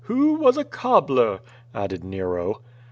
*TVTio was a cobbler," added Nero.